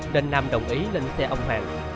nên nam đồng ý lên xe ông hoàng